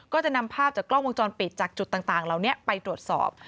ก็จะนำภาพจากกล้องวงจรปิดจากจุดต่างเหล่านี้ไปตรวจสอบ